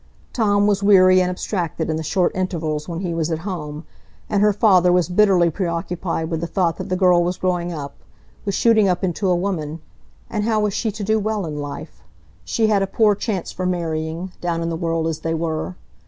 Tom was weary and abstracted in the short intervals when he was at home, and her father was bitterly preoccupied with the thought that the girl was growing up, was shooting up into a woman; and how was she to do well in life? She had a poor chance for marrying, down in the world as they were.